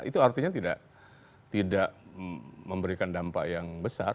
itu artinya tidak memberikan dampak yang besar